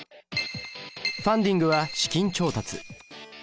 ファンディングは「資金調達」。